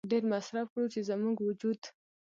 ډېر مصرف کړو چې زموږ وجود